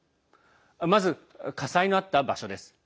まず、火災のあった場所です。